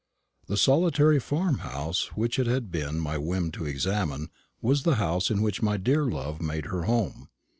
The solitary farm house which it had been my whim to examine was the house in which my dear love made her home.